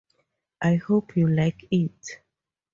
I hope you like it.